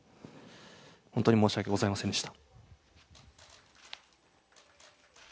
本当に申し訳ございませんでした。